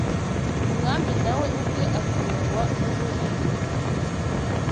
umwami na we ubwe atungwa no guhingirwa